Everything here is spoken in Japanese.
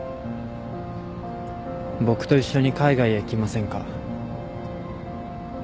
「僕と一緒に海外へ行きませんか？」